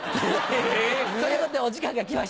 え！ということでお時間がきました。